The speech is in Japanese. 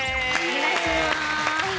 お願いします。